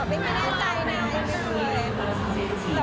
ไม่แน่ใจนะยังไม่ค่อย